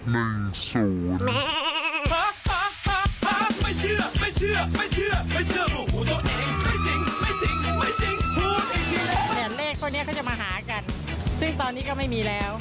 เลขพวกนี้เขาจะมาหากันซึ่งตอนนี้ก็ไม่มีแล้ว